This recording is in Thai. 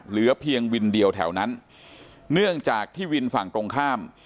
เหลือเพียงวินเดียวแถวนั้นเนื่องจากที่วินฝั่งตรงข้าม